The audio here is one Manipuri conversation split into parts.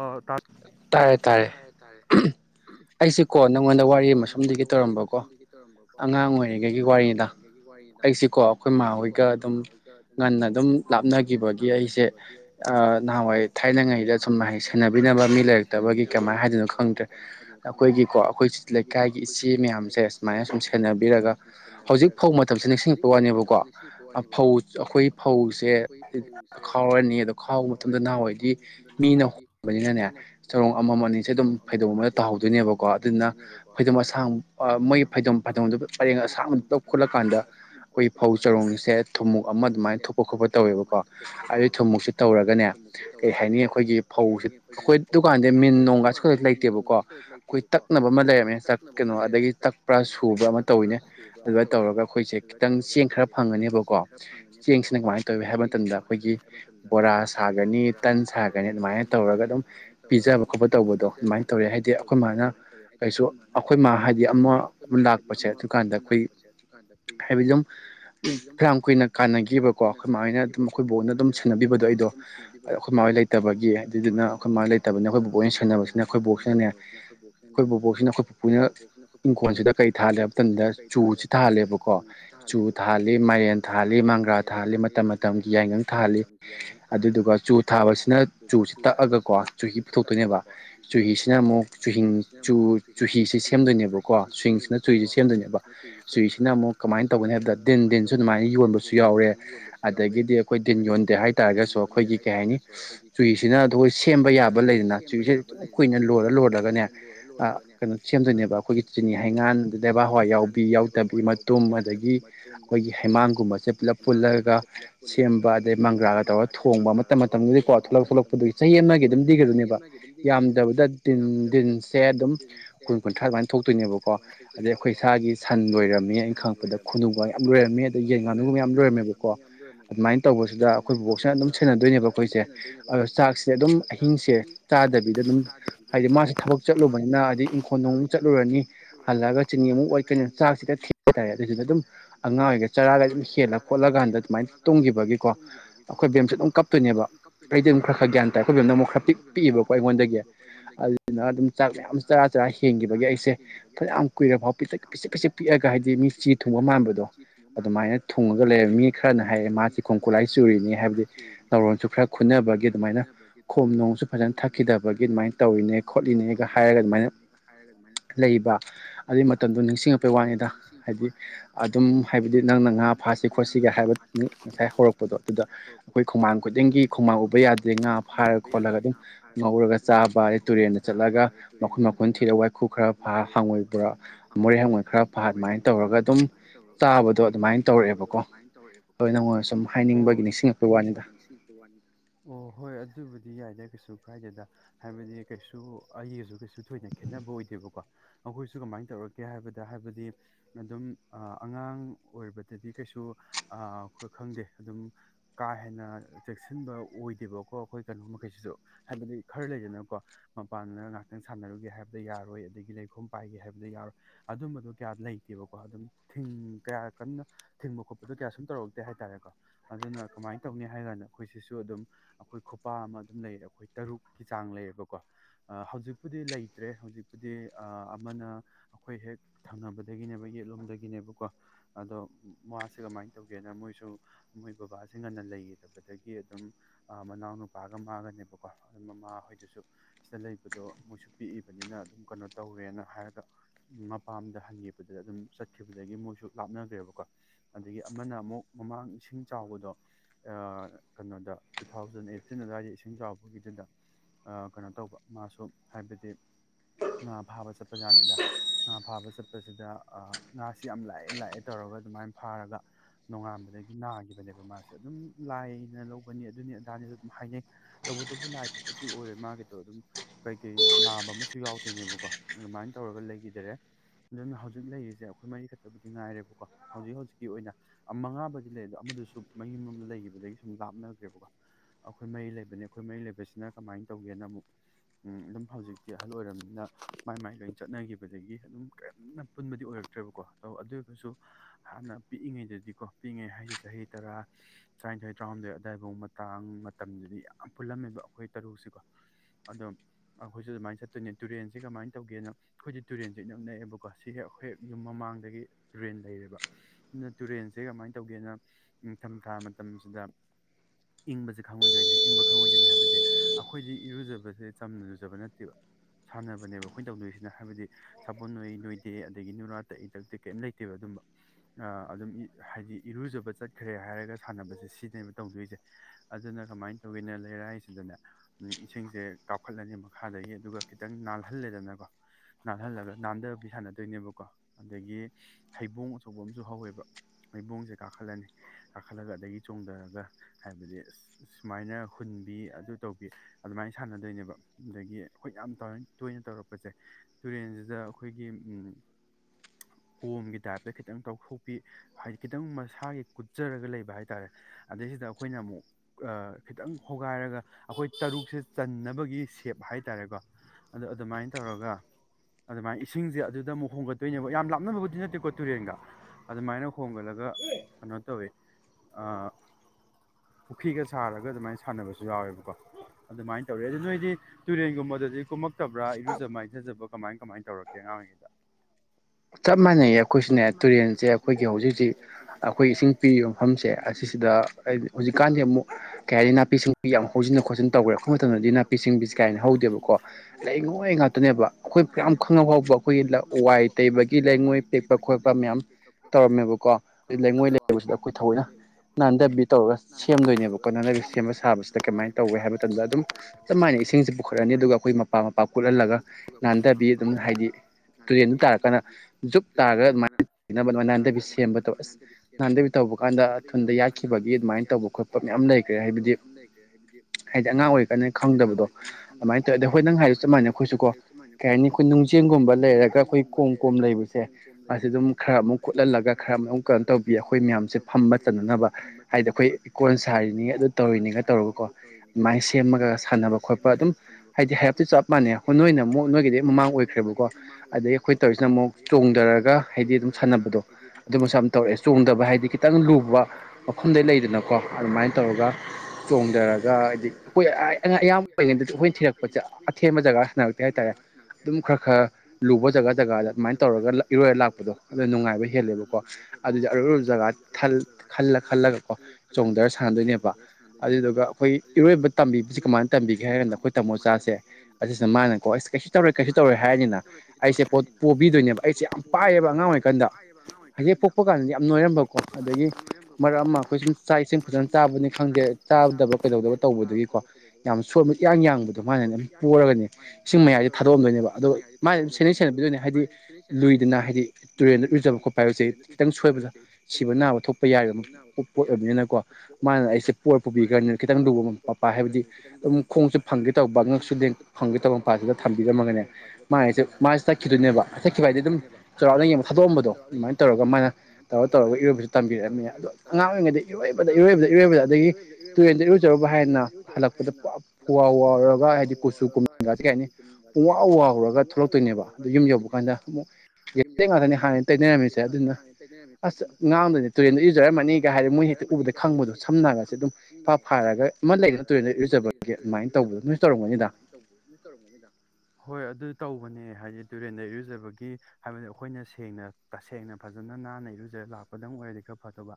ꯑꯣ ꯇꯥꯛ ꯇꯥꯔꯦ ꯇꯥꯥꯔꯦ ꯀꯣ ꯅꯪꯉꯣꯟꯗ ꯋꯥꯔꯤ ꯑꯃ ꯁꯨꯝ ꯂꯤꯒꯦ ꯇꯧꯔꯝꯕꯀꯣ ꯑꯉꯥꯡ ꯑꯣꯏꯔꯤꯉꯩꯒꯤ ꯋꯥꯔꯤꯅꯤꯗ ꯑꯩꯁꯤꯀꯣ ꯑꯩꯈꯣꯏ ꯃꯥꯥꯍꯣꯏꯒ ꯑꯗꯨꯝ ꯉꯟꯅ ꯑꯗꯨꯝ ꯂꯥꯞꯅꯈꯤꯕꯒꯤ ꯑꯩꯁꯦ ꯑꯥ ꯅꯍꯥꯟꯋꯥꯏ ꯊꯥꯏꯅꯉꯩꯗ ꯑꯁꯨꯝ ꯃꯍꯩ ꯁꯦꯟꯅꯕꯤꯅꯕ ꯃꯤ ꯂꯩꯔꯛꯇꯕꯒꯤ ꯀꯃꯥꯏꯅ ꯍꯥꯏꯗꯅꯣ ꯈꯪꯗ꯭ꯔꯦ ꯑꯩꯈꯣꯏꯒꯤꯀꯣ ꯑꯩꯈꯣꯏ ꯏꯀꯥꯏꯒꯤ ꯏꯆꯦ ꯃꯌꯥꯝꯁꯦ ꯁꯨꯃꯥꯏꯅ ꯁꯨꯝ ꯁꯦꯟꯅꯕꯤꯔꯒ ꯍꯧꯖꯤꯛ ꯐꯥꯎ ꯃꯇꯝꯁꯦ ꯅꯤꯡꯁꯤꯡꯉꯛꯄ ꯋꯥꯅꯦꯕꯀꯣ ꯐꯧ ꯑꯩꯈꯣꯏ ꯐꯧꯁꯦ ꯈꯥꯎꯔꯅꯤ ꯑꯗꯣ ꯈꯥꯎꯕ ꯃꯇꯝꯗ ꯅꯍꯥꯟꯋꯥꯏꯗꯤ ꯃꯤꯅ ꯍꯣꯡꯕꯅꯤꯅꯅꯦ ꯆꯔꯣꯡ ꯑꯃꯃꯥ ꯑꯅꯤꯁꯦ ꯑꯗꯨꯝ ꯐꯩꯗꯣꯝ ꯑꯃꯗ ꯇꯥꯍꯧꯗꯣꯏꯅꯦꯕꯀꯣ ꯑꯗꯨꯅ ꯐꯩꯗꯣꯝ ꯑꯁꯥꯡ ꯃꯣꯏꯒꯤ ꯐꯩꯗꯣꯝ ꯐꯩꯗꯣꯝꯗꯨ ꯄꯔꯦꯡ ꯑꯁꯥꯡꯗꯨꯗ ꯈꯨꯠꯂꯀꯥꯟꯗ ꯑꯩꯈꯣꯏꯒꯤ ꯐꯧ ꯆꯔꯣꯡꯁꯦ ꯊꯨꯝꯃꯣꯛ ꯑꯃ ꯑꯗꯨꯃꯥꯏꯅ ꯊꯣꯛꯄ ꯈꯣꯠꯄ ꯇꯧꯋꯦꯕꯀꯣ ꯑꯗꯨꯒꯤ ꯊꯨꯝꯃꯣꯛꯁꯦ ꯇꯧꯔꯒꯅꯦ ꯀꯩ ꯍꯥꯏꯅꯤ ꯑꯩꯈꯣꯏꯒꯤ ꯐꯧꯁꯦ ꯑꯩꯈꯣꯏ ꯗꯨꯀꯥꯟꯗ ꯃꯤꯟ ꯅꯣꯡꯒꯁꯨ ꯈꯛꯇꯛ ꯂꯩꯇꯦꯕꯀꯣ ꯑꯩꯈꯣꯏ ꯇꯛ ꯇꯛꯅꯕ ꯑꯃ ꯂꯩꯔꯝꯃꯦ ꯀꯩꯅꯣ ꯑꯗꯒꯤ ꯇꯛꯄ꯭ꯔꯥ ꯁꯨꯕꯔꯥ ꯑꯃ ꯇꯧꯋꯤꯅꯦ ꯑꯗꯨꯃꯥꯏꯅ ꯇꯧꯔꯒ ꯑꯩꯈꯣꯏꯁꯦ ꯈꯤꯇꯪ ꯆꯦꯡ ꯈꯔ ꯐꯪꯉꯅꯦꯕꯀꯣ ꯆꯦꯡꯁꯤꯅ ꯀꯃꯥꯏꯅ ꯇꯧꯏ ꯍꯥꯏꯕ ꯃꯇꯝꯗ ꯑꯩꯈꯣꯏꯒꯤ ꯕꯣꯔꯥ ꯁꯥꯒꯅꯤ ꯇꯟ ꯁꯥꯒꯅꯤ ꯀꯩ ꯍꯥꯏꯅꯤ ꯑꯗꯨꯃꯥꯏꯅ ꯇꯧꯔꯒ ꯑꯗꯨꯝ ꯄꯤꯖꯕ ꯈꯣꯠꯄ ꯇꯧꯕꯗꯣ ꯑꯗꯨꯃꯥꯏꯅ ꯇꯧꯔꯦ ꯍꯥꯏꯗꯤ ꯑꯩꯈꯣꯏ ꯃꯥꯅ ꯀꯩꯁꯨ ꯑꯩꯈꯣꯏ ꯃꯥ ꯍꯥꯏꯗꯤ ꯑꯃ ꯑꯃ ꯂꯥꯛꯄꯁꯦ ꯑꯗꯨꯀꯥꯟꯗ ꯑꯩꯈꯣꯏ ꯑꯦ ꯑꯗꯨꯀꯥꯟꯗ ꯍꯥꯏꯕꯗꯤ ꯑꯗꯨꯝ ꯐꯔꯌꯥꯝ ꯀꯨꯏꯅ ꯀꯥꯟꯅꯒꯤꯕꯀꯣ ꯑꯩꯈꯣꯏ ꯃꯣꯏꯅ ꯑꯗꯨꯝ ꯑꯩꯈꯣꯏ ꯕꯣꯍꯣꯏꯅ ꯑꯗꯨꯝ ꯁꯦꯟꯅꯕꯤꯕꯗꯣ ꯑꯩꯗꯣ ꯑ ꯑꯩꯈꯣꯏ ꯃꯥꯏ ꯂꯩ ꯂꯩꯇꯕꯒꯤ ꯑꯗꯨꯗꯨꯅ ꯑꯩꯈꯣꯏ ꯃꯥꯒꯤ ꯂꯩꯇꯕꯅꯤ ꯑꯩꯈꯣꯏ ꯕꯣꯛ ꯑꯣꯏꯅ ꯁꯦꯟꯅꯕꯁꯤꯅ ꯑꯩꯈꯣꯏ ꯕꯣꯛꯁꯤꯅꯅꯦ ꯑꯈꯣꯏ ꯕꯣꯛꯁꯤꯅ ꯑꯩꯈꯣꯏ ꯕꯣꯕꯣꯛꯁꯤꯅ ꯑꯩꯈꯣꯏ ꯄꯨꯄꯨꯅ ꯏꯪꯈꯣꯜꯁꯤꯗ ꯀꯩ ꯊꯥꯍꯜꯂꯤ ꯍꯥꯏꯕ ꯃꯇꯝꯗ ꯆꯨ ꯊꯥꯜꯂꯦꯕꯀꯣ ꯆꯨ ꯊꯥꯍꯜꯂꯤ ꯃꯥꯏꯔꯦꯟ ꯊꯥꯍꯜꯂꯤ ꯃꯪꯒ꯭ꯔꯥ ꯊꯥꯍꯜꯂꯤ ꯃꯇꯝ ꯃꯇꯝꯒꯤ ꯌꯥꯏꯉꯪ ꯊꯥꯍꯜꯂꯤ ꯌꯥꯏ ꯉꯪ ꯊꯥꯍꯜꯂꯤ ꯑꯗꯨ ꯑꯗꯨꯒ ꯆꯨ ꯊꯥꯕꯁꯤꯅ ꯆꯨꯁꯤ ꯇꯛꯑꯒꯀꯣ ꯆꯨꯍꯤ ꯄꯨꯊꯣꯛꯇꯣꯏꯅꯦꯕ ꯆꯨꯍꯤꯡ ꯆꯨ ꯆꯨꯍꯤꯁꯦ ꯁꯦꯝꯗꯣꯏꯅꯦꯕꯀꯣ ꯆꯨꯍꯤꯡꯁꯤꯅ ꯆꯨꯍꯤꯁꯦ ꯁꯦꯝꯗꯣꯏꯅꯦꯕ ꯆꯨꯍꯤꯁꯤꯅ ꯑꯃꯨꯛ ꯀꯃꯥꯏꯟ ꯇꯧꯒꯅꯤ ꯍꯥꯏꯕꯗ ꯗꯤꯟ ꯗꯤꯟꯁꯨ ꯑꯗꯨꯃꯥꯏꯅ ꯌꯣꯟꯕꯁꯨ ꯌꯥꯎꯔꯦ ꯑꯗꯒꯤꯗꯤ ꯑꯩꯈꯣꯏ ꯗꯤꯟ ꯌꯣꯟꯗꯦ ꯍꯥꯏ ꯍꯥꯏ ꯇꯥꯔꯒꯁꯨ ꯑꯩꯈꯣꯏꯒꯤ ꯀꯩ ꯍꯥꯏꯅꯤ ꯆꯨꯏꯁꯤꯅ ꯑꯩꯈꯣꯏ ꯁꯦꯝꯕ ꯌꯥꯕ ꯂꯩꯗꯅ ꯆꯨꯏꯁꯦ ꯀꯨꯏꯅ ꯂꯣꯜ ꯂꯣꯜꯂꯒ ꯅꯦ ꯀꯩꯅꯣ ꯁꯦꯝꯗꯣꯏꯅꯦꯕ ꯑꯩꯈꯣꯏꯒꯤ ꯆꯤꯅꯤ ꯍꯩꯉꯥꯟ ꯂꯩꯕꯥꯛ ꯍꯋꯥꯏ ꯌꯥꯎꯕꯤ ꯌꯥꯎꯗꯕꯤ ꯇꯨꯝ ꯑꯗꯒꯤ ꯑꯩꯈꯣꯏꯒꯤ ꯍꯩꯃꯥꯡꯒꯨꯝꯕꯁꯦ ꯄꯨꯂꯞ ꯄꯨꯜꯂꯒ ꯁꯦꯝꯕ ꯑꯗꯩ ꯃꯪꯒ꯭ꯔꯥꯒ ꯇꯧꯔ ꯊꯣꯡꯕ ꯃꯇꯝ ꯃꯇꯝꯗꯨꯗꯤ ꯀꯣ ꯊꯣꯛꯂꯛ ꯊꯣꯂꯛꯄꯗꯨꯒꯤ ꯆꯍꯤ ꯑꯃꯒꯤ ꯑꯗꯨꯝ ꯂꯤꯒ꯭ꯔꯥꯗꯣꯏꯅꯦꯕ ꯌꯥꯝꯗꯔꯥꯕꯗ ꯇꯤꯟ ꯗꯤꯟ ꯟꯁꯦ ꯑꯗꯨꯝ ꯀꯨꯟ ꯀꯨꯟꯊ꯭ꯔꯥ ꯑꯗꯨꯃꯥꯏꯅ ꯊꯣꯛꯇꯣꯏꯅꯦꯕꯀꯣ ꯑꯗꯩ ꯑꯩꯈꯣꯏ ꯏꯁꯥꯒꯤ ꯁꯟ ꯂꯣꯏꯔꯝꯃꯦ ꯑꯩꯅ ꯈꯪꯉꯛꯄꯗ ꯈꯨꯅꯨꯒ ꯌꯥꯝ ꯂꯣꯏꯔꯝꯃꯦ ꯑꯗꯩ ꯌꯦꯟ ꯉꯥꯅꯨꯒꯨꯝ ꯃ ꯌꯥꯝ ꯂꯣꯏꯔꯝꯃꯦꯕꯀꯣ ꯑꯗꯨꯃꯥꯏꯅ ꯇꯧꯕꯁꯤꯗ ꯑꯩꯈꯣꯏ ꯕꯣꯛꯁꯤꯅ ꯑꯗꯨꯝ ꯁꯦꯟꯅꯗꯣꯏꯅꯦꯕ ꯑꯩꯈꯣꯏꯁꯦ ꯑꯗꯣ ꯆꯥꯛꯁꯦ ꯑꯗꯨꯝ ꯑꯍꯤꯡꯁꯦ ꯆꯥꯗꯕꯤꯗ ꯑꯗꯨꯝ ꯍꯥꯏꯗꯤ ꯃꯥ ꯑꯁꯤ ꯊꯕꯛ ꯆꯠꯂꯨꯕꯅꯤꯅ ꯑꯗꯩ ꯏꯪꯈꯣꯜꯅꯨꯡꯣꯡ ꯑꯃꯨꯛ ꯆꯠꯂꯨꯔꯅꯤ ꯍꯜꯂꯒ ꯆꯤꯅꯤ ꯑꯃꯨꯛ ꯑꯣꯏ ꯀꯩꯅꯣ ꯆꯥꯛꯁꯤꯗ ꯍꯥꯏ ꯇꯔꯦ ꯑꯗꯨꯏꯗꯨꯗ ꯑꯗꯨꯝ ꯑꯉꯥꯡ ꯑꯣꯏꯔꯤꯒ ꯆꯥꯔꯥꯒ ꯑꯗꯨꯝ ꯍꯦꯜꯂ ꯈꯣꯠꯂꯀꯥꯟꯗ ꯑꯗꯨꯃꯥꯏꯅ ꯇꯣꯡꯈꯤꯕꯒꯤꯀꯣ ꯑꯩꯈꯣꯏ ꯕꯦꯝꯁꯦꯠ ꯑꯗꯨꯝ ꯀꯞꯇꯣꯏꯅꯦꯕ ꯑꯩꯗꯤ ꯑꯗꯨꯨꯛ ꯈꯔ ꯈꯔ ꯒ꯭ꯌꯥꯟ ꯇꯥꯏ ꯑꯩꯣꯠꯕ ꯑꯃꯝ ꯑꯃꯨꯛ ꯈꯔ ꯄꯤꯛ ꯄꯤꯛꯑꯕꯀꯣ ꯑꯩꯉꯣꯟꯗꯒꯤ ꯑꯗꯨꯗꯨꯅ ꯑꯗꯨꯝ ꯆꯥꯛ ꯃꯌꯥꯝ ꯆꯔꯥ ꯆꯔꯥ ꯍꯦꯟꯈꯤꯕꯒꯤ ꯑꯩꯁꯦ ꯐꯖꯅ ꯀꯨꯏꯔ ꯐꯥꯎ ꯄꯤꯛ ꯄꯤꯁ ꯄꯤꯁ ꯄꯤꯛꯑꯒ ꯍꯥꯏꯗꯤ ꯃꯤ ꯆꯤ ꯊꯨꯡꯕ ꯃꯥꯟꯕꯗꯣ ꯑꯗꯨꯃꯥꯏꯅ ꯊꯨꯡꯉꯒ ꯂꯩ ꯃꯤ ꯈꯔꯅ ꯍꯥꯏꯌꯦꯦ ꯃꯥꯁꯤ ꯈꯣꯡꯀꯨꯠꯂꯥꯏ ꯆꯨꯔꯤꯅꯤ ꯍꯥꯏꯕꯗꯤ ꯆꯨꯔꯤꯅꯤ ꯍꯥꯏꯕꯤ ꯈꯨꯠꯟꯅꯕꯒꯤ ꯑꯗꯨꯃꯥꯏꯅ ꯈꯣꯝ ꯅꯨꯡꯁꯨ ꯐꯖꯅ ꯊꯛꯈꯤꯗꯕꯒꯤ ꯑꯗꯨꯃꯥꯏꯅ ꯇꯧꯔꯤꯅꯦ ꯁꯃꯥꯏꯅ ꯇꯧꯔꯤꯅꯦ ꯈꯣꯠꯂꯤꯅꯦꯒ ꯍꯥꯏꯔꯒ ꯑꯗꯨꯃꯥꯏꯅ ꯂꯩꯕ ꯑꯗꯨꯏ ꯃꯇꯝꯗꯨꯣ ꯅꯤꯡꯁꯤꯡꯉꯛꯄꯩ ꯋꯥꯅꯤꯗ ꯍꯥꯏꯗꯤ ꯑꯗꯨꯝ ꯍꯥꯏꯕꯗꯤ ꯅꯪꯅ ꯉꯥ ꯐꯥꯥꯁ ꯈꯣꯠꯁꯤꯒꯦ ꯍꯥꯏꯕ ꯉꯁꯥꯏ ꯍꯧꯔꯛꯄꯗꯣ ꯑꯗꯨꯗ ꯑꯩꯈꯣꯏ ꯈꯣꯡꯃꯥꯡ ꯈꯨꯗꯤꯡꯒꯤ ꯉ ꯎꯧꯕ ꯌꯥꯗꯦ ꯉꯥ ꯐꯥꯔ ꯈꯣꯠꯂꯒ ꯑꯗꯨꯝ ꯉꯧꯔꯒ ꯆꯥꯕ ꯇꯨꯔꯗ ꯆꯠꯂꯒ ꯃꯈꯨꯟ ꯃꯈꯨꯟ ꯊꯤꯔꯒ ꯋꯥꯏꯈꯨ ꯈꯔ ꯍꯥꯡꯉꯣꯏꯕ꯭ꯔꯥ ꯃꯣꯔꯦ ꯍꯥꯡꯉꯣꯏ ꯈꯔ ꯑꯗꯨꯃꯥꯏꯅ ꯇꯧꯔꯒ ꯑꯗꯨꯝ ꯇꯥꯕꯗꯣ ꯑꯗꯨꯃꯥꯏꯅ ꯇꯧꯔꯛꯑꯦꯕꯀꯣ ꯑꯣꯏ ꯅꯪꯉꯣꯟꯗ ꯁꯨꯝ ꯍꯥꯏꯅꯤꯡꯕꯒꯤ ꯅꯤꯡꯁꯤꯡꯉꯛ ꯍꯥꯏꯒꯤ ꯑꯣ ꯍꯣꯏ ꯑꯗꯨꯕꯨꯗꯤ ꯌꯥꯏꯗ ꯀꯩꯁꯨ ꯀꯥꯏꯗꯦꯗ ꯍꯥꯏꯕꯗꯤ ꯀꯩ ꯁꯨ ꯑꯩꯒꯁꯨ ꯀꯩꯁꯨ ꯊꯣꯏꯅ ꯈꯦꯠꯅꯕ ꯑꯣꯏꯗꯦꯕꯀꯣ ꯑꯩꯈꯣꯏꯁꯨ ꯀꯃꯥꯏꯅ ꯇꯧꯔꯛꯀꯦ ꯍꯥꯏꯕꯗ ꯍꯥꯏꯕꯗꯤ ꯑꯗꯨꯝ ꯑꯉꯥꯡ ꯑꯣꯏꯕꯗꯗꯤ ꯀꯩꯁꯨ ꯑꯩꯈꯣꯏ ꯈꯪꯗꯦ ꯑꯗꯨꯝ ꯀꯥ ꯍꯦꯟꯅ ꯆꯦꯛꯁꯤꯟꯕ ꯑꯣꯏꯗꯦꯕꯀꯣ ꯑꯩꯈꯣꯏ ꯀꯩꯅꯣ ꯃꯈꯩꯁꯤꯁꯨ ꯍꯥꯏꯕꯗꯤ ꯈꯔ ꯂꯩꯗꯅꯀꯣ ꯃꯄꯥꯟꯅ ꯉꯥꯏꯍꯥꯛꯇꯪ ꯁꯥꯟꯅꯔꯨꯒꯦ ꯍꯥꯏꯕꯗ ꯌꯥꯔꯣꯏ ꯑꯗꯒꯤ ꯂꯩꯈꯣꯝ ꯄꯥꯏꯒꯦ ꯍꯥꯏꯕꯗ ꯌꯥꯔꯣꯏ ꯑꯗꯨꯝꯕꯗꯣ ꯀꯌꯥ ꯂꯩꯇꯦꯕꯀꯣ ꯑꯗꯨꯝ ꯊꯤꯡ ꯀꯌꯥ ꯀꯟꯅ ꯊꯤꯡꯕ ꯈꯣꯠꯄꯗꯣ ꯀꯌꯥ ꯁꯨꯝ ꯇꯧꯔꯛꯇꯦ ꯍꯥꯏꯇꯥꯔꯦꯀꯣ ꯑꯗꯨꯅ ꯀꯃꯥꯏꯅ ꯇꯧꯅꯤ ꯍꯥꯏ ꯀꯥꯟꯗ ꯑꯩꯈꯣꯏꯁꯤꯁꯨ ꯑꯗꯨꯝ ꯑꯩꯈꯣꯏ ꯈꯨꯄꯥ ꯑꯃ ꯑꯗꯨꯝ ꯂꯩꯌꯦ ꯑꯩꯈꯣꯏ ꯇꯔꯨꯛꯀꯤ ꯆꯥꯡ ꯂꯩꯌꯦꯕ ꯀꯣ ꯍꯧꯖꯤꯛꯄꯨꯗꯤ ꯂꯩꯇ꯭ꯔꯦ ꯍꯧꯖꯤꯛꯄꯨꯗꯤ ꯑꯃꯅ ꯑꯩꯈꯣꯏ ꯍꯦꯛ ꯊꯪꯅꯕꯗꯒꯤꯅꯦꯕ ꯌꯦꯠꯂꯣꯝꯗꯒꯤꯅꯦꯕꯀꯣ ꯑꯗꯣ ꯃꯥꯁꯦ ꯀꯃꯥꯏꯅ ꯇꯧꯒꯦꯅ ꯃꯣꯏꯁꯨ ꯃꯣꯏ ꯕꯕꯥꯁꯤꯡ ꯉꯅ ꯂꯩꯈꯤꯗꯕꯗꯒꯤ ꯑꯗꯨꯝ ꯃꯅꯥꯎ ꯅꯨꯄꯥꯒ ꯃꯥꯒꯅꯦꯕꯀꯣ ꯃꯃꯥ ꯍꯣꯏꯗꯨꯁꯨ ꯁꯤꯗ ꯂꯩꯕꯗꯣ ꯃꯣꯏꯁꯨ ꯄꯤꯛꯏꯕꯅꯤꯅ ꯑꯗꯨꯝ ꯀꯩꯅꯣ ꯇꯧꯔꯦꯅ ꯍꯥꯏꯔꯒ ꯃꯄꯥꯝꯗ ꯍꯟ ꯌꯦꯦꯄꯗꯨꯗ ꯑꯗꯨꯝ ꯆꯠꯈꯤꯕꯗꯒꯤ ꯃꯣꯏꯁꯨ ꯂꯥꯞꯅꯈ꯭ꯔꯦꯕꯀꯣ ꯑꯗꯒꯤ ꯑꯃꯅ ꯑꯃꯨꯛ ꯃꯃꯥꯡ ꯏꯁꯤꯡ ꯆꯥꯎꯕꯗꯣ ꯀꯩꯅꯣꯗ ꯇꯨ ꯊꯥꯎꯖꯟ ꯑꯩꯠꯇꯤꯟ ꯑꯗꯨꯗꯋꯥꯏꯗꯤ ꯏꯁꯤꯡ ꯆꯥꯎꯕꯒꯤꯗꯨꯗ ꯀꯩꯅꯣ ꯇꯧꯕ ꯃꯥꯁꯨ ꯍꯥꯏꯕꯗꯤ ꯉꯥ ꯐꯥꯕ ꯆꯠꯄꯖꯥꯠꯅꯤꯗ ꯉꯥ ꯐꯥꯕ ꯆꯠꯄꯁꯤꯗ ꯉꯥꯁꯤ ꯌꯥꯝ ꯂꯥꯛꯑꯦ ꯂꯥꯛꯑꯦ ꯇꯧꯔꯒ ꯑꯗꯨꯃꯥꯏꯅ ꯐꯥꯔꯒ ꯅꯣꯡꯉꯥꯟꯕꯗꯒꯤ ꯅꯥꯈꯤꯕꯅꯦꯕ ꯃꯥꯁꯦ ꯑꯗꯨꯝ ꯂꯥꯏꯅ ꯂꯧꯕꯅꯤ ꯑꯗꯨꯅꯤ ꯑꯖꯥꯅꯤꯁꯨ ꯑꯗꯨꯝ ꯍꯥꯏꯅꯩ ꯇꯧꯕꯇꯕꯨ ꯂꯥꯏ ꯈꯛꯇꯗꯤ ꯑꯣꯏꯔꯣꯏ ꯃꯥꯒꯤ ꯑꯗꯣ ꯑꯗꯨꯝ ꯀꯩꯀꯩ ꯅꯥꯕ ꯑꯃꯁꯨ ꯌꯥꯎꯗꯣꯏꯅꯦꯕꯀꯣ ꯑꯗꯨꯃꯥꯏꯅ ꯇꯧꯔꯒ ꯂꯩꯈꯤꯗ꯭ꯔꯦ ꯑꯗꯨꯅ ꯍꯧꯖꯤꯛ ꯂꯩꯔꯤꯖꯦ ꯑꯩꯈꯣꯏ ꯃꯔꯤꯈꯛꯇꯕꯨꯗꯤ ꯉꯥꯏꯔꯦꯕꯀꯣ ꯍꯧꯖꯤꯛ ꯍꯧꯖꯤꯛꯀꯤ ꯑꯣꯏꯅ ꯑ ꯃꯉꯥꯕꯨꯗꯤ ꯂꯩ ꯑꯗꯣ ꯑꯃꯗꯨꯁꯨ ꯃꯌꯨꯝꯂꯣꯝꯗ ꯂꯩꯒꯤꯕꯗꯒꯤ ꯁꯨꯝ ꯂꯥꯞꯅꯒ꯭ꯔꯦꯕꯀꯣ ꯑꯩꯈꯣꯏ ꯃꯔꯤ ꯂꯩꯕꯅꯦ ꯑꯩꯈꯣꯏ ꯃꯔꯤ ꯂꯩꯕꯁꯤꯅ ꯀꯃꯥꯏꯟ ꯇꯧꯒꯦꯅ ꯑꯃꯨꯛ ꯎꯝ ꯑꯗꯨꯝ ꯍꯧꯖꯤꯛꯇꯤ ꯑꯍꯜ ꯑꯣꯏꯔꯝꯅꯤꯅ ꯃꯥꯏ ꯃꯥꯏ ꯂꯣꯏ ꯆꯠꯅꯒꯤꯕꯗꯒꯤ ꯑꯗꯨꯝ ꯀꯩꯝꯅ ꯄꯨꯟꯕꯗꯤ ꯑꯣꯏꯔꯛꯇ꯭ꯔꯦꯕꯀꯣ ꯑꯗꯨ ꯑꯣꯏꯔꯒꯁꯨ ꯍꯥꯟꯅ ꯄꯤꯛꯏꯉꯩꯗꯗꯤꯀꯣ ꯄꯤꯛꯏꯉꯩ ꯍꯥꯏꯖꯦ ꯆꯍꯤ ꯇꯔꯥ ꯇꯔꯥꯏꯟꯊꯣꯏ ꯇꯔꯥꯍꯨꯝꯗꯣꯏ ꯑꯗꯥꯏꯕꯧ ꯃꯇꯥꯡ ꯃꯇꯝꯗꯗꯤ ꯌꯥꯝ ꯄꯨꯜꯂꯝꯃꯦꯕ ꯑꯩꯈꯣꯏ ꯇꯔꯨꯛꯁꯤꯀꯣ ꯑꯗꯣꯝ ꯑꯩꯈꯣꯏꯁꯨ ꯑꯗꯨꯃꯥꯏ ꯆꯠꯇꯣꯏꯅꯦ ꯇꯨꯔꯦꯟꯁꯦ ꯀꯃꯥꯏꯟ ꯇꯧꯒꯦꯅ ꯑꯩꯈꯣꯏꯗꯤ ꯇꯨꯔꯦꯟꯖꯦ ꯏꯅꯛ ꯅꯛꯑꯦꯕꯀꯣ ꯁꯤꯖꯦ ꯑꯩꯈꯣꯏ ꯌꯨꯝ ꯃꯃꯥꯡꯗꯒꯤ ꯇꯨꯔꯦꯟ ꯂꯩꯔꯦꯕ ꯎꯝ ꯇꯨꯔꯦꯟꯁꯦ ꯀꯃꯥꯏꯅ ꯇꯧꯒꯦꯅ ꯅꯤꯡꯊꯝ ꯊꯥ ꯃꯇꯝꯁꯤꯗ ꯏꯪꯕꯖꯤ ꯈꯪꯉꯣꯏꯗꯣꯏꯅꯤ ꯏꯪꯕ ꯈꯪꯉꯣꯏꯗꯣꯏꯅꯤ ꯍꯥꯏꯕꯗꯤ ꯑꯩꯈꯣꯏꯖꯤ ꯏꯔꯨꯖꯕ ꯁꯤ ꯆꯝꯅ ꯂꯨꯖꯕ ꯅꯠꯇꯦꯕ ꯁꯥꯟꯅꯕꯅꯦꯕ ꯑꯈꯣꯏꯟ ꯇꯧꯗꯣꯏꯁꯤꯅ ꯍꯥꯏꯕꯗꯤ ꯁꯥꯄꯣꯟ ꯅꯣꯏ ꯅꯣꯏꯗꯦ ꯑꯗꯒꯤ ꯅꯨꯔꯥ ꯇꯛꯏ ꯇꯛꯇꯦ ꯀꯩꯝ ꯂꯩꯇꯦꯕ ꯑꯗꯨꯝꯕ ꯑ ꯑꯗꯨꯝ ꯏ ꯍꯥꯏꯗꯤ ꯏꯔꯨꯖꯕ ꯆꯠꯈ꯭ꯔꯦ ꯍꯥꯏꯔꯒ ꯁꯥꯟꯅꯕꯁꯦ ꯁꯤꯅꯦꯕ ꯇꯧꯗꯣꯏꯁꯦ ꯑꯗꯨꯅ ꯀꯃꯥꯏꯟ ꯇꯧꯒꯦꯅ ꯂꯩꯔꯥꯏꯁꯤꯗꯅꯦ ꯏꯁꯤꯡꯁꯦ ꯀꯥꯞꯈꯠꯂꯅꯤ ꯃꯈꯥꯗꯒꯤ ꯑꯗꯨꯒ ꯈꯤꯇꯪ ꯅꯥꯜꯍꯜꯂꯦꯗꯅꯀꯣ ꯅꯥꯜꯍꯜꯂꯒ ꯅꯥꯟꯗꯕꯤ ꯁꯥꯟꯅꯗꯣꯏꯅꯦꯕꯀꯣ ꯑꯗꯒꯤ ꯍꯩꯕꯣꯡ ꯑꯆꯧꯕ ꯑꯝꯖꯨ ꯍꯧꯋꯦꯕ ꯃꯩꯕꯣꯡꯖꯦ ꯀꯥꯈꯠꯂꯅꯤ ꯀꯥꯈꯠꯂꯒ ꯑꯗꯒꯤ ꯆꯣꯡꯗꯔꯒ ꯍꯥꯏꯕꯗꯤ ꯑꯁ ꯁꯨꯃꯥꯏꯅ ꯍꯨꯟꯕꯤ ꯑꯗꯨ ꯇꯧꯕꯤ ꯑꯗꯨꯃꯥꯏꯟ ꯁꯥꯟꯅꯗꯣꯏꯅꯦꯕ ꯑꯗꯒꯤ ꯑꯩꯈꯣꯏ ꯌꯥꯝ ꯇꯣꯏꯅ ꯇꯧꯔꯛꯄꯁꯦ ꯇꯨꯔꯦꯟꯁꯤꯗ ꯑꯩꯈꯣꯏꯒꯤ ꯎꯝ [inaudible] ꯀꯣꯝꯒꯤ ꯇꯥꯏꯞꯇ ꯈꯤꯇꯪ ꯇꯧꯊꯣꯛꯄꯤ ꯍꯥꯏꯗꯤ ꯈꯤꯇꯪ ꯃꯁꯥꯒꯤ ꯀꯨꯠꯆꯔꯒ ꯂꯩꯕ ꯍꯥꯏꯇꯥꯔꯦ ꯑꯗꯩꯁꯤꯗ ꯑꯩꯈꯣꯏꯅ ꯑꯃꯨꯛ ꯈꯤꯇꯪ ꯍꯣꯒꯥꯏꯔꯒ ꯑꯩꯈꯣꯏ ꯇꯔꯨꯛꯁꯦ ꯆꯟꯅꯕꯒꯤ ꯁꯦꯞ ꯍꯥꯏꯇꯥꯔꯦꯀꯣ ꯑꯗꯣ ꯑꯗꯨꯃꯥꯏꯟ ꯇꯧꯔꯒ ꯑꯗꯨꯃꯥꯏꯅ ꯏꯁꯤꯡꯁꯦ ꯑꯗꯨꯗ ꯑꯃꯨꯛ ꯍꯣꯡꯒꯠꯇꯣꯏꯅꯦꯕ ꯌꯥꯝ ꯂꯥꯞꯅꯕꯕꯨꯗꯤ ꯅꯠꯇꯦꯀꯣ ꯇꯨꯔꯦꯟꯒ ꯑꯗꯨꯃꯥꯏꯅ ꯍꯣꯡꯒꯠꯂꯒ ꯀꯩꯅꯣ ꯇꯧꯋꯤ ꯑꯥ ꯄꯨꯈ꯭ꯔꯤꯒ ꯁꯥꯔꯒ ꯑꯗꯨꯃꯥꯏꯟ ꯁꯥꯟꯅꯕꯁꯨ ꯌꯥꯎꯋꯦꯕꯀꯣ ꯑꯗꯨꯃꯥꯏꯟ ꯇꯧꯔꯦ ꯑꯗꯨ ꯅꯣꯏꯗꯤ ꯇꯨꯔꯦꯟꯒꯨꯝꯕꯗꯗꯤ ꯀꯨꯝꯃꯛꯇꯕ꯭ꯔꯥ ꯏꯔꯨꯖ ꯃꯥꯏꯊꯖꯕ ꯀꯃꯥꯏꯟ ꯀꯃꯥꯏꯟ ꯇꯧꯔꯛꯀꯦ ꯑꯉꯥꯡ ꯑꯣꯏꯔꯤꯉꯩꯗ ꯆꯞ ꯃꯥꯟꯅꯩꯌꯦ ꯑꯩꯈꯣꯏꯁꯤꯅꯦ ꯇꯨꯔꯦꯟꯁꯦ ꯑꯩꯈꯣꯏꯒꯤ ꯍꯧꯖꯤꯛ ꯍꯧꯖꯤꯛ ꯑꯩꯈꯣꯏꯒꯤ ꯏꯁꯤꯡ ꯄꯤꯔꯤꯕ ꯃꯐꯝꯁꯦ ꯑꯁꯤꯁꯤꯗ ꯍꯥꯏꯗꯤ ꯍꯧꯖꯤꯛꯀꯥꯟꯗꯤ ꯑꯃꯨꯛ ꯀꯩ ꯍꯥꯏꯅꯤ ꯅꯥꯄꯤꯁꯤꯡꯕꯤ ꯌꯥꯝ ꯍꯧꯖꯤꯟꯗ ꯈꯣꯠꯆꯤꯟ ꯇꯧꯒ꯭ꯔꯦ ꯑꯈꯣꯏ ꯃꯇꯝꯗꯗꯤ ꯅꯥꯄꯤꯁꯤꯡꯕꯤꯁꯤ ꯀꯌꯥ ꯍꯦꯟꯅ ꯍꯧꯗꯦꯕꯀꯣ ꯂꯩꯉꯣꯏ ꯉꯥꯛꯇꯅꯦꯕ ꯑꯩꯈꯣꯏ ꯌꯥꯝ ꯈꯪꯍꯧꯐꯥꯎꯕꯛ ꯑꯈꯣꯏꯒꯤ ꯂꯛ ꯎꯋꯥꯏꯠ ꯇꯩꯕꯒꯤ ꯂꯩꯉꯣꯏ ꯄꯦꯛꯄ ꯈꯣꯠꯄ ꯃꯌꯥꯝ ꯇꯧꯔꯝꯃꯦꯕꯀꯣ ꯑꯗꯩ ꯂꯩꯉꯣꯏ ꯂꯩꯕꯁꯤꯗ ꯑꯩꯈꯣꯏ ꯊꯑꯣꯏꯅ ꯅꯥꯟꯗꯕꯤ ꯇꯧꯔꯒ ꯁꯦꯝꯗꯣꯏꯅꯦꯕꯀꯣ ꯅꯥꯗꯕꯤ ꯁꯦꯝꯕ ꯁꯥꯕꯁꯤꯗ ꯀꯃꯥꯏꯟ ꯇꯧꯒꯦ ꯍꯥꯏꯕ ꯃꯇꯝꯗ ꯇ ꯑꯗꯨꯝ ꯆꯞ ꯃꯥꯏꯅ ꯏꯁꯤꯡꯁꯤ ꯄꯨꯈꯠꯂꯅꯤ ꯑꯗꯨꯒ ꯑꯩꯈꯣꯏ ꯃꯄꯥ ꯃꯞ ꯄ ꯀꯨꯠꯍꯜꯂꯒ ꯅꯥꯟꯗꯕꯤ ꯑꯗꯨꯝ ꯍꯥꯏꯗꯤ ꯇꯨꯔꯦꯟꯗꯨ ꯇꯥꯔꯛ ꯀꯅꯥ ꯖꯨꯞ ꯇꯥꯒ꯭ꯔꯒ ꯑꯗꯨꯃꯥꯏꯟ ꯅꯤꯅꯕ ꯑꯗꯨꯃꯥꯏꯟ ꯅꯥꯟꯗꯕꯤ ꯁꯦꯝꯕ ꯇꯧ ꯑꯁ ꯅꯥꯟꯗꯕꯤ ꯅꯥꯟꯗꯕꯤ ꯇꯧꯕ ꯀꯥꯟꯗ ꯊꯨꯟꯗ ꯌꯥꯠꯈꯤꯕꯒꯤ ꯑꯗꯨꯃꯥꯏꯟ ꯇꯧꯕ ꯈꯣꯠꯄ ꯃꯌꯥꯝ ꯂꯩꯈ꯭ꯔꯦ ꯍꯥꯏꯕꯗꯤ ꯍꯥꯏꯗꯤ ꯑꯉꯥꯡ ꯑꯣꯏꯔꯤꯀꯥꯟꯗꯅꯤ ꯈꯪꯗꯕꯗꯣ ꯑꯗꯨꯃꯥꯏꯟ ꯇꯧꯋꯦ ꯑꯗꯣ ꯍꯣꯏ ꯅꯪ ꯍꯥꯏꯗꯤ ꯆꯞ ꯃꯥꯟꯅ ꯑꯈꯣꯏ ꯅꯪ ꯍꯥꯏꯁꯨ ꯁꯨꯃꯥꯏꯅ ꯑꯩꯈꯣꯏꯁꯨ ꯀꯣ ꯀꯩ ꯍꯥꯏꯅꯤ ꯈꯨꯅꯨꯖꯦꯟꯒꯨꯝꯕ ꯕ ꯂꯩꯔꯒ ꯑꯩꯈꯣꯏ ꯀꯣꯝ ꯀꯣꯝ ꯂꯩꯕꯁꯦ ꯑꯁꯤ ꯑꯗꯨꯝ ꯈꯔ ꯑꯃꯨꯛ ꯀꯨꯠꯍꯜꯂꯒ ꯈꯔ ꯑꯃꯨꯛ ꯀꯩꯅꯣ ꯇꯧꯗꯦ ꯑꯩꯈꯣꯏ ꯃꯌꯥꯝꯁꯦ ꯐꯃꯕ ꯆꯟꯅꯕ ꯍꯥꯏꯗ ꯑꯈꯣꯏ ꯀꯣꯟ ꯁꯥꯔꯤꯅꯤꯌ ꯑꯗꯨ ꯇꯧꯔꯤꯅꯦꯅ ꯇꯧꯔꯎꯀꯣ ꯑꯗꯨꯃꯥꯏ ꯁꯦꯝꯃꯒ ꯁꯥꯟꯅꯕ ꯈꯣꯠꯄ ꯑꯗꯨꯝ ꯃꯥꯅꯦ ꯍꯣꯏ ꯅꯣꯏꯅ ꯑꯃꯨꯛ ꯅꯣꯏꯒꯤꯗꯤ ꯃꯃꯥꯡ ꯑꯣꯏꯈ꯭ꯔꯦꯕꯀꯣ ꯑꯗꯩ ꯑꯩꯈꯣꯏ ꯇꯧꯔꯤꯁꯤꯅ ꯑꯃꯨꯛ ꯆꯣꯡꯗꯔꯒ ꯍꯥꯏꯗꯤ ꯑꯗꯨꯝ ꯁꯥꯟꯅꯕꯗꯣ ꯑꯗꯨꯝꯕꯁꯨ ꯌꯥꯝ ꯇꯧꯔꯛꯑꯦ ꯆꯣꯡꯗꯕ ꯍꯥꯏꯗꯤ ꯈꯤꯇꯪ ꯂꯨꯕ ꯃꯈꯨꯝꯗꯩ ꯂꯩꯗꯅꯀꯣ ꯑꯗꯨꯃꯥꯏꯅ ꯇꯧꯔꯒ ꯆꯣꯡꯗꯔꯒ ꯍꯥꯏꯗꯤ ꯑꯩꯈꯣꯏ ꯑ ꯑꯌꯥꯝꯕ [unintelligible] ꯑꯩꯈꯣꯏꯅ ꯊꯤꯔꯛꯄꯁꯦ ꯑꯊꯦꯟꯕ ꯖꯒꯥ ꯁꯥꯟꯅꯔꯛꯇꯦ ꯍꯥꯏꯇꯥꯔꯦ ꯑꯗꯨꯝ ꯈꯔ ꯈꯔ ꯂꯨꯕ ꯖꯒꯥ ꯖꯒꯥꯗ ꯑꯗꯨꯃꯥꯏꯅ ꯇꯧꯔꯒ ꯏꯔꯣꯏꯔꯒ ꯂꯥꯛꯄꯗꯣ ꯑꯗꯨꯅ ꯅꯨꯡꯉꯥꯏꯕ ꯍꯦꯜꯂꯦꯕꯀꯣ ꯑꯗꯨꯗꯤ ꯑꯔꯨ-ꯑꯔꯨꯕ ꯖꯒꯥ ꯈꯜꯂ-ꯈꯜꯂꯒꯀꯣ ꯆꯣꯡꯗꯔ ꯁꯥꯟꯅꯗꯣꯏꯅꯦꯕ ꯑꯗꯨꯗꯨꯒ ꯑꯩꯈꯣꯏ ꯏꯔꯣꯏꯕ ꯇꯝꯕꯤꯕꯁꯤ ꯀꯃꯥꯏꯅ ꯇꯝꯕꯤꯒꯦ ꯍꯥꯏꯔꯀꯥꯟꯗ ꯑꯩꯈꯣꯏ ꯇꯥꯃꯣꯆꯥꯁꯦ [inaudible] ꯃꯥꯅꯀꯣ ꯑꯩꯁ ꯀꯩꯁꯨ ꯇꯧꯔꯣꯏ ꯀꯩꯁꯨ ꯇꯧꯔꯣꯏ ꯍꯥꯏꯔꯤꯅꯤꯅ ꯑꯩꯁꯦ ꯄꯣꯠ ꯄꯣꯕꯤꯗꯣꯏꯅꯦꯕ ꯑꯩꯁꯦ ꯌꯥꯝ ꯄꯥꯏꯌꯦꯕ ꯑꯉꯥꯡ ꯑꯣꯏꯔꯤꯀꯥꯟꯗ ꯍꯧꯖꯤꯛ ꯄꯣꯛꯄ ꯀꯥꯟꯗ ꯌꯥꯝ ꯅꯣꯏꯔꯝꯕ ꯀꯣ ꯑꯗꯒꯤ ꯃꯔꯛ ꯑꯃ ꯑꯩꯈꯣꯏ ꯁꯨꯝ ꯆꯥꯛ ꯏꯁꯤꯡ ꯐꯖꯅ ꯆꯥꯕꯅꯤ ꯈꯪꯗꯦ ꯆꯥꯗꯕ ꯀꯩꯗꯧꯗꯕ ꯇꯧꯕꯗꯒꯤꯀꯣ ꯌꯥꯝ ꯁꯣꯟꯕ ꯏꯌꯥꯡ ꯌꯥꯡꯕꯗꯣ ꯃꯥꯟꯅꯅꯦ ꯄꯨꯣꯔꯔꯒꯅꯦ ꯏꯁꯤꯡ ꯃꯌꯥꯏꯗ ꯊꯥꯗꯣꯛ ꯑꯝꯗꯣꯏꯅꯦꯕ ꯑꯗꯨ ꯃꯥꯅ ꯁꯦꯅꯗꯤ ꯁꯦꯟꯅꯕꯤꯗꯣꯏꯅꯦ꯫ ꯍꯥꯏꯗꯤ ꯂꯨꯏꯗꯅ ꯍꯥꯏꯗꯤ ꯇꯨꯔꯦꯜꯗ ꯏꯔꯨꯖꯕ ꯈꯣꯠꯄ ꯍꯥꯏꯕꯁꯦ ꯈꯤꯇꯪ ꯁꯣꯏꯕꯗ ꯁꯤꯕ ꯅꯥꯕ ꯊꯣꯛ ꯄ ꯌꯥꯔꯤꯕ ꯄꯣꯠ ꯑꯣꯏꯕꯅꯤꯅꯀꯣ ꯃꯥꯅ ꯑꯩꯁꯦ ꯄꯣꯔꯒ ꯄꯨꯕꯤꯈ꯭ꯔꯅꯤꯅ ꯈꯤꯇꯪ ꯂꯨꯕ ꯃꯄꯥ ꯍꯥꯏꯕꯗꯤ ꯑꯗꯨꯝ ꯈꯣꯡꯁꯨ ꯐꯪꯒꯦ ꯇꯧꯕ ꯉꯛꯁꯨ ꯂꯦꯡ ꯐꯪꯒꯦ ꯇꯧꯕ ꯃꯄꯥꯁꯤꯗ ꯊꯝꯕꯤꯔꯝꯃꯒꯅꯦ ꯃꯥꯅ ꯑꯩꯁꯦ ꯃꯥꯗꯤ ꯆꯠ ꯑꯗꯨꯅꯦꯕ ꯆꯠꯈꯤꯕ ꯍꯥꯏꯗꯤ ꯑꯗꯨꯝ ꯆꯥꯎꯔꯥꯛꯅ ꯌꯦꯡꯕ ꯊꯥꯗꯣꯛꯑꯝꯕꯗꯣ ꯑꯗꯨꯃꯥꯏꯅ ꯇꯧꯔꯒ ꯃꯥꯅ ꯇꯧꯔ ꯇꯧꯔꯒ ꯏꯔꯣꯏꯕꯁꯨ ꯇꯝꯕꯤꯔꯛꯑꯃꯦ ꯑꯗꯣ ꯑꯉꯥꯡ ꯑꯣꯏꯔꯤꯉꯩꯗ ꯏꯔꯣꯏꯕꯗ-ꯏꯔꯣꯏꯕꯗ- ꯏꯔꯣꯏꯕꯗ ꯑꯗꯒꯤ ꯇꯨꯔꯦꯟꯗ ꯏꯔꯨꯖꯔꯨꯕ ꯍꯥꯏꯔꯦꯅ ꯍꯜꯂꯛꯄꯗ [inaudible] ꯐꯨꯋꯥꯎ ꯋꯥꯎꯔꯒ ꯍꯥꯏꯗꯤ ꯀꯨꯆꯨ ꯀꯨ [unintelligible] ꯀꯨꯆꯨ ꯀꯨꯃꯦꯟꯒꯁꯦ ꯀꯔꯤ ꯍꯥꯏꯅꯤ ꯄꯨꯡꯋꯥꯎ ꯋꯥꯎ ꯑꯗꯨ ꯌꯨꯝ ꯌꯧꯕꯀꯥꯟꯗ ꯑꯃꯨꯛ [unintelligible] ꯍꯥꯛꯇꯅꯤ ꯍꯥꯟꯅ ꯇꯩꯅꯔꯝꯃꯤꯁꯦ ꯑꯗꯨꯅ ꯑꯁ ꯉꯥꯡꯗꯣꯏꯅꯤ꯫ ꯇꯨꯔꯦꯟꯗ ꯏꯔꯨꯖꯔꯝꯃꯅꯤꯒ ꯍꯥꯏꯗꯤ ꯃꯣꯏ ꯍꯦꯛꯇ ꯎꯕꯗ ꯈꯪꯕꯗꯣ ꯁꯝ ꯅꯥꯒꯁꯦ ꯑꯗꯨꯝ ꯏꯐꯥ-ꯐꯥꯔꯒ ꯑꯃ ꯂꯩꯅ ꯇꯨꯔꯦꯅꯗ ꯏꯔꯨ ꯂꯨꯖꯕꯒꯤ ꯑꯗꯨꯃꯥꯏ ꯇꯧꯕꯗꯣ ꯅꯣꯏꯁꯨ ꯇꯧꯔꯝꯒꯅꯤꯗ꯫ [inaudible] ꯍꯣꯏ ꯑꯗꯨ ꯇꯧꯕꯅꯦ ꯍꯥꯏꯗꯤ ꯇꯨꯔꯦꯟꯗ ꯏꯔꯨꯖꯕꯒꯤ꯫ ꯍꯥꯏꯕꯗꯤ ꯑꯩꯈꯣꯏꯅ ꯁꯦꯡꯅ ꯇꯁꯦꯡꯅ ꯐꯖꯅ ꯅꯥꯟꯅ ꯏꯔꯨꯖꯔ ꯂꯥꯛꯄꯗꯪ ꯑꯣꯏꯔꯗꯤ ꯈꯔ ꯐꯗꯧꯕ꯫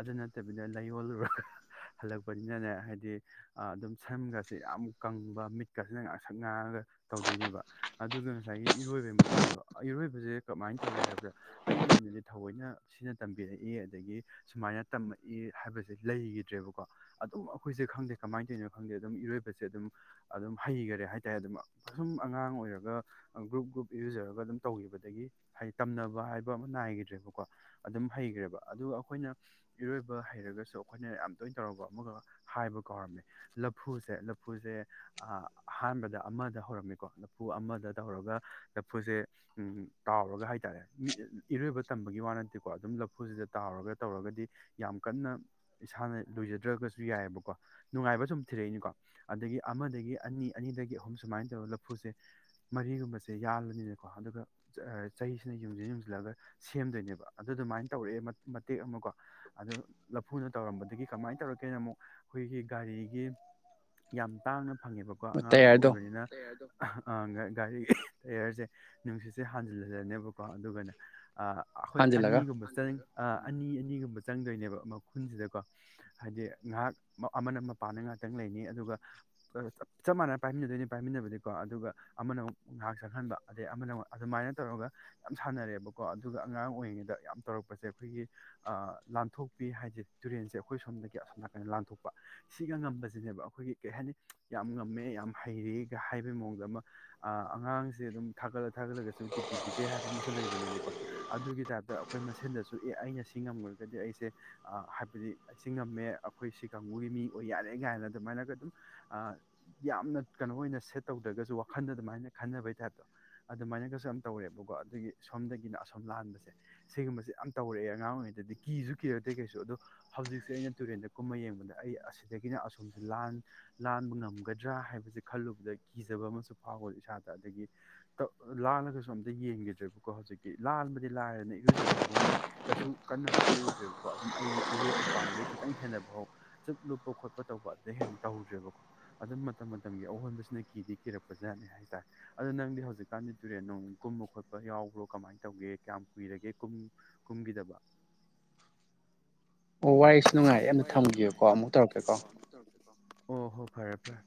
ꯑꯗꯨ ꯅꯠꯇꯕꯤꯗ ꯂꯩꯌꯣꯜꯂꯨꯔꯒ꯫ ꯍꯜꯂꯛꯄꯁꯤꯅꯅꯦ ꯍꯥꯏꯗꯤ ꯑꯗꯨꯝ ꯁꯝꯒꯁꯦ ꯌꯥꯝ ꯀꯪꯕ ꯃꯤꯠ ꯀꯁꯤꯅ ꯉꯥꯡꯁꯡ ꯉꯥꯡꯉꯒ ꯇꯧꯗꯣꯏꯅꯦꯕ ꯑꯗꯨꯒ ꯉꯁꯥꯏꯒꯤ ꯏꯔꯣꯏꯕꯒꯤ ꯃꯇꯥꯡꯗꯣ ꯏꯔꯣꯏꯕꯁꯦ ꯀꯃꯥꯏꯅ ꯇꯧꯔꯦ ꯍꯥꯏꯕꯗ ꯑꯩꯒꯤ ꯑꯣꯏꯅꯗꯤ ꯊꯑꯣꯏꯅ ꯁꯤꯅ ꯇꯝꯕꯤꯔꯛꯏ ꯑꯗꯒꯤ ꯁꯨꯃꯥꯏꯅ ꯇꯝꯃꯛꯏ ꯍꯥꯏꯕꯁꯦ ꯂꯩꯒꯤꯗ꯭ꯔꯦꯕꯀꯣ꯫ ꯑꯗꯨꯝ ꯑꯩꯈꯣꯏꯁꯦ ꯈꯪꯗꯦ ꯀꯃꯥꯏꯅ ꯇꯧꯔꯤꯅꯣ ꯈꯪꯗꯦ ꯑꯗꯨꯝ ꯏꯔꯣꯏꯕꯁꯦ ꯑꯗꯨꯝ ꯑꯗꯨꯝ ꯍꯩꯈꯔꯦ ꯍꯥꯏꯇꯥꯔꯦ ꯑꯗꯨꯝ ꯑꯗꯨꯝ ꯑꯉꯥꯡ ꯑꯣꯏꯔꯒ ꯒ꯭ꯔꯨꯞ ꯒ꯭ꯔꯨꯞ ꯏꯔꯨꯖꯔꯒ ꯑꯗꯨꯝ ꯇꯧꯈꯤꯕꯗꯒꯤ ꯍꯩ ꯇꯝꯅꯕ ꯍꯥꯏꯕ ꯑꯃ ꯅꯥꯏꯈꯤꯗ꯭ꯔꯦꯕꯀꯣ꯫ ꯑꯗꯨꯝ ꯍꯩꯈ꯭ꯔꯦꯕ ꯑꯗꯨꯒ ꯑꯩꯈꯣꯏꯅ ꯏꯔꯣꯏꯕ ꯍꯩꯔꯒꯁꯨ ꯑꯩꯈꯣꯏꯅ ꯌꯥꯝ ꯇꯣꯏꯅ ꯇꯧꯔꯛꯄ ꯑꯃꯒ ꯍꯥꯏꯕ ꯀꯥꯎꯔꯝꯃꯦ ꯂꯐꯨꯁꯦ-ꯂꯐꯨꯁꯦ ꯑꯍꯥꯟꯕꯗ ꯑꯃꯗ ꯍꯧꯔꯝꯃꯤꯀꯣ ꯂꯐꯨ ꯑꯃꯗ ꯇꯧꯔꯒ ꯂꯐꯨꯁꯦ ꯎꯝ ꯇꯥꯎꯔꯒ ꯍꯥꯏꯇꯔꯦ ꯏꯔꯣꯏꯕ ꯇꯝꯕꯒꯤ ꯋꯥ ꯅꯠꯇꯦꯀꯣ ꯑꯗꯨꯝ ꯂꯐꯨꯁꯤꯗ ꯇꯥꯎꯔꯒ ꯇꯧꯔꯒꯗꯤ ꯌꯥꯝ ꯀꯟꯅ ꯏꯁꯥꯅ ꯂꯣꯏꯖꯗ꯭ꯔꯒꯁꯨ ꯌꯥꯏꯑꯕꯀꯣ ꯅꯨꯡꯉꯥꯏꯕ ꯁꯨꯝ ꯊꯤꯔꯛꯏꯅꯤꯀꯣ ꯑꯗꯒꯤ ꯑꯃ ꯑꯗꯒꯤ ꯑꯅꯤ ꯑꯅꯤꯗꯒꯤ ꯑꯍꯨꯝ ꯁꯨꯃꯥꯏꯅ ꯇꯧꯔ ꯂꯐꯨꯁꯦ ꯃꯔꯤꯒꯨꯝꯕꯁꯦ ꯌꯥꯜꯂꯅꯤꯅꯀꯣ ꯑꯗꯨꯒ ꯆꯩꯁꯤꯅ ꯌꯨꯝꯁꯤꯟ ꯌꯨꯡꯁꯤꯜꯂꯒ ꯁꯦꯝꯗꯧꯅꯦꯕ ꯑꯗꯨ ꯑꯗꯨꯃꯥꯏꯅ ꯇꯧꯔꯛꯑꯦ ꯃꯇꯦꯛ ꯑꯃ ꯀꯣ ꯑꯗꯨ ꯂꯐꯨꯅ ꯇꯧꯔꯝꯕꯗꯒꯤ ꯀꯃꯥꯏꯅ ꯇꯧꯔꯛꯀꯦꯅ ꯑꯃꯨꯛ ꯑꯩꯈꯣꯏꯒꯤ ꯒꯥꯔꯤꯒꯤ ꯌꯥꯝ ꯇꯥꯡꯅ ꯐꯪꯉꯦꯕꯀꯣ ꯑꯉꯥꯡꯁꯨ ꯑꯣꯏꯕꯅꯤꯅ꯫ ꯑꯍ ꯒꯥꯔꯤꯒꯤ ꯇꯌꯥꯔꯁꯦ ꯅꯨꯡꯁꯤꯠꯁꯦ ꯍꯥꯟꯖꯤꯜꯍꯜꯂꯅꯦꯕꯀꯣ ꯑꯗꯨꯒꯅ‌ꯦ ꯑꯥ ꯑꯩꯈꯣꯏ ꯑꯅꯤꯒꯨꯝꯕ ꯆꯪ-ꯑꯅꯤ-ꯑꯅꯤꯒꯨꯝꯕ ꯆꯪꯗꯣꯏꯅꯦꯕ ꯃꯈꯨꯟꯁꯤꯗꯀꯣ꯫ ꯍꯥꯏꯗꯤ ꯉꯥꯏꯍꯥꯛ ꯑꯃꯅ ꯃꯄꯥꯟꯘ ꯉꯥꯛꯇꯪ ꯂꯩꯅꯤ ꯑꯗꯨꯒ ꯆꯞ ꯃꯥꯟꯅ ꯄꯥꯏꯃꯤꯟꯅꯗꯣꯏꯅꯤ ꯄꯥꯏꯃꯤꯟꯅꯕꯗꯤꯀꯣ ꯑꯗꯨꯒ ꯑꯃꯅ ꯑꯃꯨꯛ ꯉꯥꯏꯍꯥꯛ ꯆꯪꯍꯟꯕ ꯑꯗꯩ ꯑꯃꯅ ꯑꯃꯨꯛ ꯑꯗꯨꯃꯥꯏꯅ ꯇꯧꯔꯒ ꯌꯥꯝ ꯁꯥꯟꯅꯔꯦꯕꯀꯣ ꯑꯗꯨꯒ ꯑꯉꯥꯡ ꯑꯣꯏꯔꯤꯉꯩꯗ ꯌꯥꯝ ꯇꯧꯔꯛꯄꯁꯦ ꯑꯩꯈꯣꯏꯒꯤ ꯑꯥ ꯂꯥꯟꯊꯣꯛꯄꯤ ꯍꯥꯏꯗꯤ ꯇꯨꯔꯦꯟꯁꯦ ꯑꯩꯈꯣꯏ ꯁꯣꯝꯗꯒꯤ ꯑꯁꯣꯝ ꯅꯥꯀꯟꯗ ꯂꯥꯟꯊꯣꯛꯄ ꯁꯤꯒ ꯉꯝꯕꯁꯤꯅꯦꯕ ꯑꯩꯈꯣꯏꯒꯤ ꯀꯩ ꯍꯥꯏꯅꯤ ꯌꯥꯝ ꯉꯝꯃꯦ ꯌꯥꯝ ꯍꯩꯔꯦꯒ ꯍꯥꯏꯕꯩ ꯃꯑꯣꯡꯗ ꯑꯃ ꯑꯉꯥꯡꯁꯦ ꯑꯗꯨꯝ ꯊꯥꯒꯠꯂ ꯊꯥꯠꯂꯒꯁꯨ ꯇꯤꯛꯀꯤ ꯄꯤꯖꯩ ꯍꯥꯏꯕ ꯑꯃꯁꯨ ꯂꯩꯕꯅꯦꯕꯀꯣ꯫ ꯑꯗꯨꯒꯤ ꯇꯥꯏꯞꯇ ꯑꯩꯈꯣꯏ ꯃꯁꯦꯟꯗꯁꯨ ꯑꯦ ꯑꯩꯅ ꯁꯤ ꯉꯝꯈ꯭ꯔꯒꯗꯤ ꯑꯩꯁꯦ ꯑ ꯍꯥꯏꯕꯗꯤ ꯑꯁꯤ ꯉꯝꯃꯦ ꯑꯩꯈꯣꯏ ꯁꯤ ꯀꯥꯡꯕꯨꯒꯤ ꯃꯤ ꯑꯣꯏ ꯌꯥꯔꯦ ꯀꯥꯏꯅꯒ ꯑꯗꯨꯃꯥꯏꯅꯒ ꯑꯗꯨꯝ ꯑꯥ ꯌꯥꯝꯅ ꯀꯩꯅꯣ ꯑꯣꯏꯅ ꯁꯦꯠ ꯇꯧꯗ꯭ꯔꯒꯁꯨ ꯋꯥꯈꯟꯗ ꯑꯗꯨꯃꯥꯏꯅ ꯈꯟꯅꯕꯩ ꯇꯥꯏꯞꯇꯣ ꯑꯗꯨꯃꯥꯏꯅꯒꯁꯨ ꯌꯥꯝ ꯇꯧꯌꯦꯕꯀꯣ ꯑꯗꯨꯒꯤ ꯑꯁꯣꯝꯗꯒꯤꯅ ꯑꯁꯣꯝ ꯂꯥꯟꯕꯁꯦ ꯁꯤꯒꯨꯝꯕꯁꯦ ꯌꯥꯝ ꯇꯧꯔꯛꯑꯦ ꯑꯉꯥꯡ ꯑꯣꯏꯔꯤꯉꯩꯗꯗꯤ ꯀꯤꯁꯨ ꯀꯤꯔꯛꯇ‌ꯦ ꯀꯩꯁꯨ ꯑꯗꯣ ꯍꯧꯖꯤꯛꯁꯦ ꯑꯩꯅ ꯇꯨꯔꯦꯟꯗ ꯀꯨꯝꯕ ꯌꯦꯡꯕꯗ ꯑꯩ ꯑꯁꯤꯗꯒꯤꯅ ꯑꯁꯣꯝꯁꯦ ꯂꯥꯟꯕ ꯉꯝ ꯉꯝꯒꯗ꯭ꯔꯥ ꯍꯥꯏꯕꯁꯦ ꯈꯜꯂꯨꯕꯗ ꯀꯤꯖꯕ ꯑꯃꯁꯨ ꯐꯥꯎꯕ ꯏꯁꯥꯗ ꯑꯗꯒꯤ ꯂꯥꯜꯂꯒꯁꯨ ꯑꯝꯇ ꯌꯦꯡꯈꯤꯗ꯭ꯔꯦꯕꯀꯣ ꯍꯧꯖꯤꯛꯇꯤ ꯂꯥꯟꯕꯗꯤ ꯂꯥꯏꯔꯗꯅ ꯏꯔꯨꯖꯕꯁꯤꯐꯥꯎ ꯃꯩ ꯀꯩꯁꯨ ꯀꯟꯅ ꯊꯣꯛꯎꯗ꯭ꯔꯦꯕꯀꯣ ꯑꯗꯨꯝ ꯑꯩ ꯏꯔꯦꯞ ꯃꯄꯥꯟꯗꯨꯗ ꯈꯤꯇꯪ ꯍꯦꯟꯅꯐꯥꯎ ꯆꯨꯞ ꯂꯨꯞꯄ ꯈꯣꯠꯄ ꯇꯧꯕ ꯑꯗꯨꯗꯩ ꯍꯦꯟꯅ ꯇꯧꯗ꯭ꯔꯦꯕꯀꯣ ꯑꯗꯨꯝ ꯃꯇꯝ ꯃꯇꯝꯒꯤ ꯑꯑꯣꯟꯕꯁꯤꯅ ꯀꯤꯗꯤ ꯀꯤꯔꯛꯄꯖꯥꯠꯅꯤ ꯍꯥꯏꯇꯥꯔꯦ ꯑꯗꯣ ꯅꯪꯗꯤ ꯍꯧꯖꯤꯛꯀꯥꯟꯗꯤ ꯇꯨꯔꯦꯟ ꯗꯨꯝ ꯀꯨꯝꯕ ꯈꯣꯠꯄ ꯌꯥꯎꯕ꯭ꯔꯣ ꯀꯃꯥꯏꯅ ꯇꯧꯒꯦ ꯀꯌꯥꯝ ꯀꯨꯏꯔꯒꯦ ꯀꯨꯝ ꯀꯨꯝꯈꯤꯗꯕ ꯑꯣ ꯋꯥꯔꯤꯁꯨ ꯅꯨꯡꯉꯥꯏꯔꯦ ꯑꯝꯇ ꯊꯝꯈꯤꯒꯦꯀꯣ ꯑꯃꯨꯛ ꯇꯧꯔꯛꯀꯦꯀꯣ꯫ ꯑꯣ ꯍꯣ ꯐꯔꯦ ꯐꯔꯦ꯫